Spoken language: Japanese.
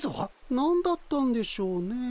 何だったんでしょうねえ。